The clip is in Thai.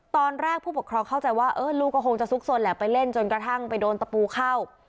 ตอนแรกผู้ปกครองเข้าใจว่าลูกก็คงจะซุกสนแหละไปเล่นจนกระทั่งไปโดนตะปูเข้า